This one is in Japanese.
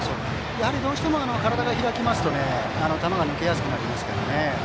やはり、どうしても体が開きますと球が抜けやすくなります。